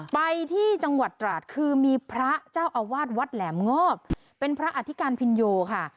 ไปที่จังหวัดตราดคือมีพระเจ้าอาวาสวัดแหลมงอบเป็นพระอธิการพินโยค่ะ